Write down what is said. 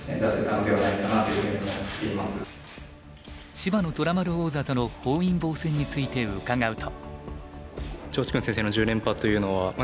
芝野虎丸王座との本因坊戦について伺うと。